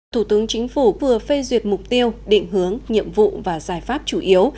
thủ tướng chính phủ vừa phê duyệt mục tiêu định hướng nhiệm vụ và giải pháp chủ yếu